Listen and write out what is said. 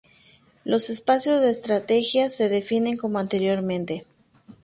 Los espacios de estrategias se definen como anteriormente.